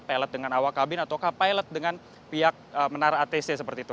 pilot dengan awak kabin atau co pilot dengan pihak menara atc seperti itu